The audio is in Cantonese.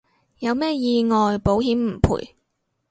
有咩意外保險唔賠